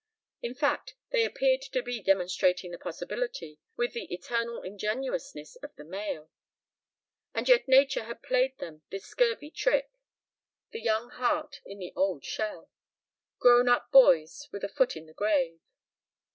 In fact, they appeared to be demonstrating the possibility, with the eternal ingenuousness of the male. And yet nature had played them this scurvy trick. The young heart in the old shell. Grown up boys with a foot in the grave.